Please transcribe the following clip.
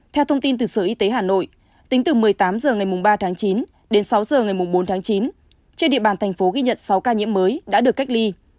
theo thông tin từ sở y tế hà nội tính từ một mươi tám h ngày ba tháng chín đến sáu h ngày bốn tháng chín trên địa bàn thành phố ghi nhận sáu ca nhiễm mới đã được cách ly